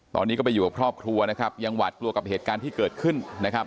ตอนนี้ก็ไปอยู่กับครอบครัวนะครับยังหวาดกลัวกับเหตุการณ์ที่เกิดขึ้นนะครับ